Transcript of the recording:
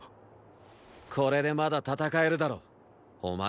これでまだ戦えるだろお前ら。